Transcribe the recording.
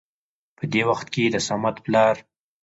په دې وخت کې د صمد پلار